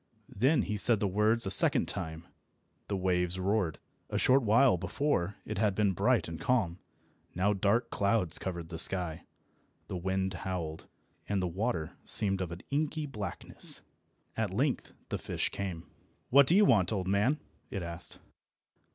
Then he said the words a second time. The waves roared. A short while before it had been bright and calm, now dark clouds covered the sky, the wind howled, and the water seemed of an inky blackness. At length the fish came. "What do you want, old man?" it asked.